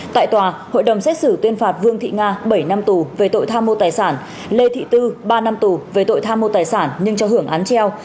tại tòa hội đồng xét xử tuyên phạt vương thị nga bảy năm tù về tội tham mô tài sản lê thị tư ba năm tù về tội tham mô tài sản nhưng cho hưởng án treo